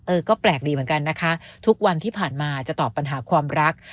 ก็แปลกดีเหมือนกันนะคะทุกวันที่ผ่านมาจะตอบปัญหาความรัก